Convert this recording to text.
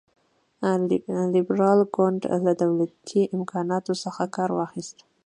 لېبرال ګوند له دولتي امکاناتو څخه کار واخیست.